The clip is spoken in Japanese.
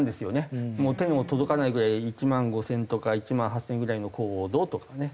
もう手の届かないぐらい１万５０００とか１万８０００ぐらいの高度とかね。